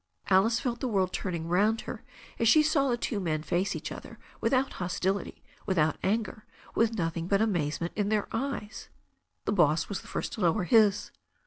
Alice felt the world turning round her as she saw the two men face each other without hostility, without anger, with nothing but amazement in their eyesi The boss was the first to lower his.